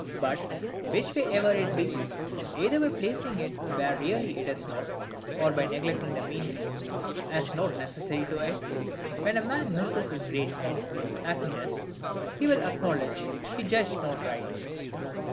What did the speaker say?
But, which way ever it be, either by placing it where really it is not, or by neglecting the means as not necessary to it;—when a man misses his great end, happiness, he will acknowledge he judged not right.